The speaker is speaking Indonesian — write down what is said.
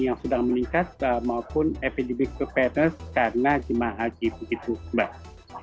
yang sudah meningkat maupun epidemiologi kepanas karena jemaah haji begitu kembali